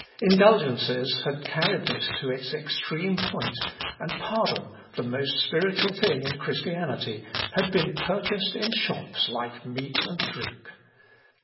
Indulgences had carried this to its extreme point, and pardon, the most spiritual thing in Christianity, had been purchased in shops like meat and drink.